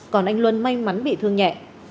còn anh luân may mắn bị thương nhẹ